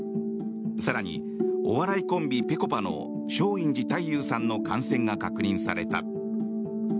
更にお笑いコンビ、ぺこぱの松陰寺太勇さんの感染が確認された。